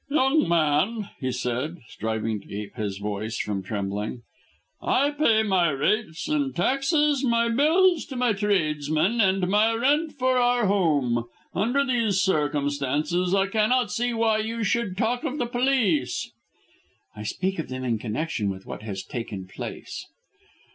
"Young man," he said, striving to keep his voice from trembling, "I pay my rates and taxes, my bills to my tradesmen, and my rent for our home. Under these circumstances I cannot see why you should talk of the police." "I speak of them in connection with what has taken place."